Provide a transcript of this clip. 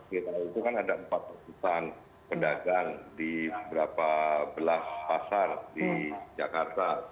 di sana itu kan ada empat pukulan pedagang di beberapa belas pasar di jakarta